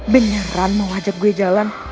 beneran mau ngajak gue jalan